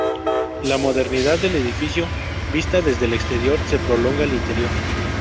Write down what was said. La modernidad del edificio vista desde el exterior se prolonga al interior.